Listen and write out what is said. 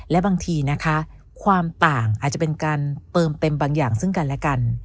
และบางทีนะคะความต่างอาจจะเป็นการเติมเต็มบางอย่างซึ่งกันและกัน